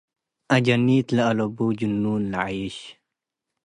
አጀኒት ለአለቡ ጅኑን ለዐይሽ።